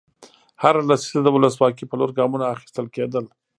هره لسیزه د ولسواکۍ په لور ګامونه اخیستل کېدل.